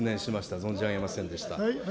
存じ上げませんでした。